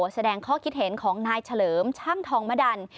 แสดงความคิดเห็นของนายเฉลิมช่างทองมดัน